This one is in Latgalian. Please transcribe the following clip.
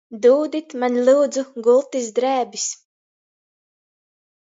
Dūdit maņ, lyudzu, gultys drēbis!